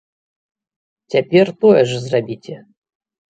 Цяпер тое ж зрабіце!